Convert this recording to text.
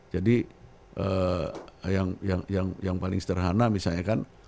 jadi yang paling sederhana misalnya kan